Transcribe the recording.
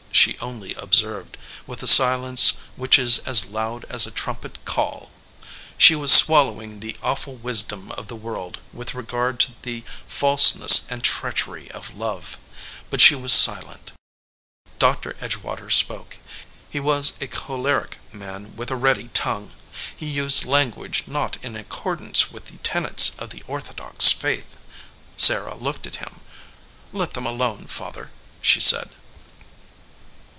She only observed, with the silence which is as loud as a trumpet call! She was swallowing the awful wisdom of the world with regard to the falseness and treachery of love, but she was silent. Doctor Edgewater spoke. He was a choleric man with a ready tongue. He used language not in accordance with the tenets of the orthodox faith. Sarah looked at him. "Let them alone, Father," she said.